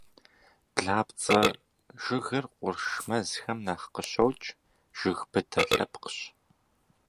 Блапцӏэ жыгыр къурш мэзхэм нэхъ къыщокӏ, жыг быдэ лъэпкъщ.